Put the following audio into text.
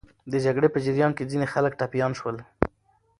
د جګړې په جریان کې ځینې خلک ټپیان سول.